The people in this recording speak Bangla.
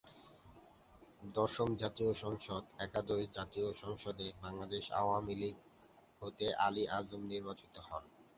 দশম জাতীয় সংসদ, একাদশ জাতীয় সংসদ এ বাংলাদেশ আওয়ামী লীগ হতে আলী আজম নির্বাচিত হন।